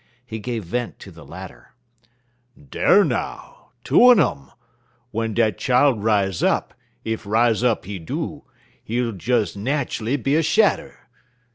He gave vent to the latter: "Dar now! Two un um! W'en dat chile rize up, ef rize up he do, he'll des nat'ally be a shadder.